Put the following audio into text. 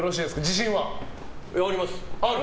自信は？あります。